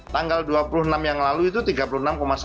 tanggal dua puluh enam yang lalu itu tiga puluh enam satu